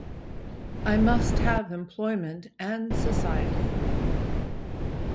I must have employment and society.